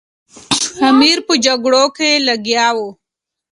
امیر په جګړو کې لګیا وو.